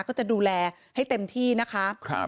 ก็จะดูแลให้เต็มที่นะคะ